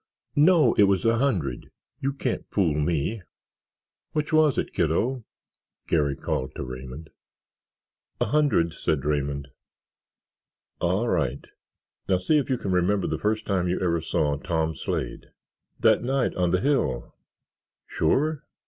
"No, it was a hundred—you can't fool me." "Which was it, kiddo?" Garry called to Raymond. "A hundred," said Raymond. "All right. Now see if you can remember the first time you ever saw Tom Slade." "That night on the hill." "Sure?"